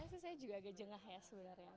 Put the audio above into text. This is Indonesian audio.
tapi saya juga agak jengah ya sebenarnya